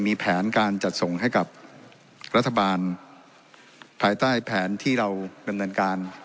มีแผนการจัดส่งให้กับรัฐบาลภายใต้แผนที่เราดำเนินการ